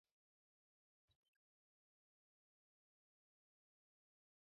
دا کړنلارې همدارنګه د سیمه ییزو وګړو لپاره د کرنیزو محصولاتو په زباتوالي.